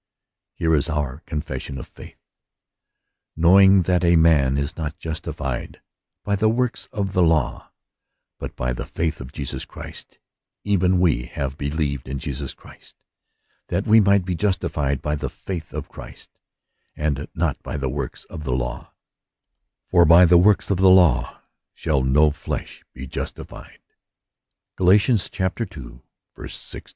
Here is our confession of faith :—" Knowing that a man is not justified by the works of the law, but by the faith of Jesus Christy even we have believed in Jesus Christy that we might be justified by the faith of Christy and not by the works of the law : for by the works of the law shall no flesh be justified^ — Gal. ii. i6.